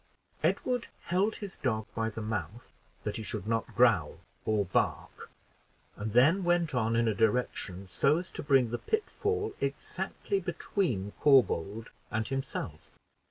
Edward held his dog by the mouth, that he should not growl or bark, and then went on in a direction so as to bring the pitfall exactly between Corbould and himself.